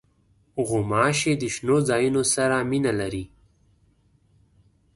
غوماشې د شنو ځایونو سره مینه لري.